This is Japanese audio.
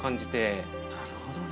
なるほどね。